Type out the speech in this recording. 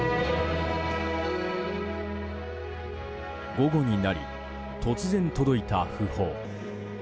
午後になり、突然届いた訃報。